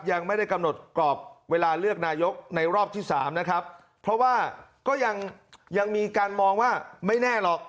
ยังไม่ได้กำหนดกรอบเวลาเลือกนายกในรอบที่สามนะครับเพราะว่าก็ยังยังมีการมองว่าไม่แน่หรอก